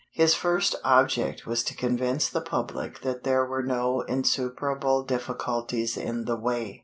His first object was to convince the public that there were no insuperable difficulties in the way.